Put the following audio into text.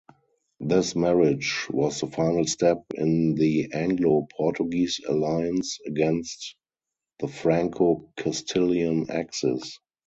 This marriage was the final step in the Anglo-Portuguese Alliance against the Franco-Castillian axis.